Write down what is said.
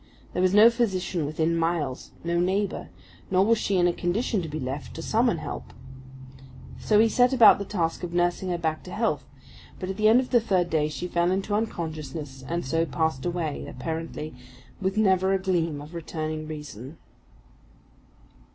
There was no physician within miles, no neighbor; nor was she in a condition to be left, to summon help. So he set about the task of nursing her back to health, but at the end of the third day she fell into unconsciousness and so passed away, apparently, with never a gleam of returning reason.